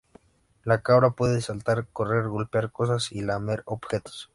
La cabra puede saltar, correr, golpear cosas y lamer objetos.